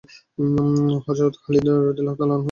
হযরত খালিদ রাযিয়াল্লাহু আনহু পরিস্থিতি বুঝে নেন।